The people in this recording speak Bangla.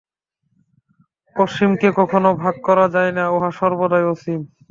অসীমকে কখনও ভাগ করা যায় না, উহা সর্বদাই অসীম।